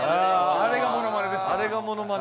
あれがものまねですね。